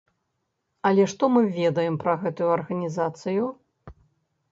Але што мы ведаем пра гэтую арганізацыю?